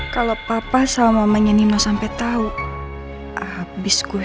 kalau papa sama mamanya nino sampe tau abis gue